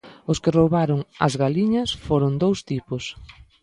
Os que roubaron ás galiñas foron dous tipos